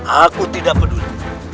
aku tidak peduli